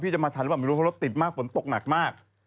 จะมาทันหรือเปล่าไม่รู้เพราะรถติดมากฝนตกหนักมาก